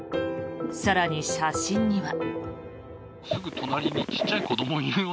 更に、写真には。